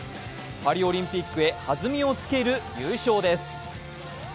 パリオリンピックへはずみをつける優勝です。